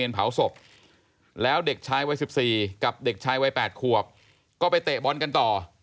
กับเด็กชายวัย๘ขวบก็ไปเตะบอลกันต่อ